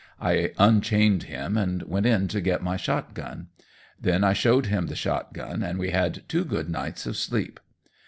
I unchained him and went in to get my shotgun. Then I showed him the shotgun, and we had two good nights of sleep.